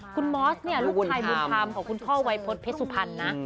คุณมอสเนี่ยลูกชายบุญธรรมของคุณพ่อวัยพฤษเพชรสุพรรณนะ